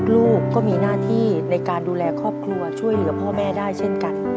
ลูกก็มีหน้าที่ในการดูแลครอบครัวช่วยเหลือพ่อแม่ได้เช่นกัน